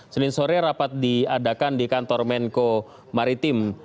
senin sore rapat diadakan di kantor menko maritim